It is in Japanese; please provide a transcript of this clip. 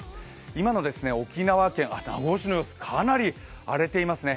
今の沖縄県名護市の様子、かなり荒れていますね。